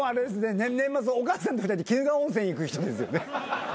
年末お母さんと２人で鬼怒川温泉行く人ですよね？